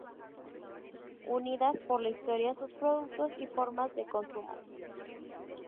Unidas por la historia, sus productos y formas de consumo.